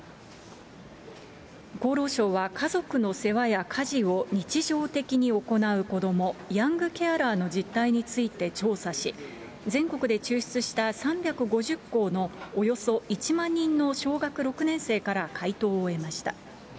厚労省は家族の世話や家事を日常的に行う子ども、ヤングケアラーの実態について調査し、全国で抽出した３５０校の、およそ１万人の小学６年生から回答を得ました。